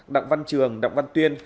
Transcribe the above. đọc văn trường đọc văn tuyên